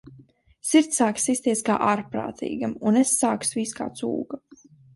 Sirds sāka sisties kā ārprātīgam, un es sāku svīst kā cūka.